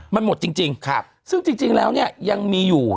มันหมดจริงซึ่งจริงแล้วเนี่ยยังมีอยู่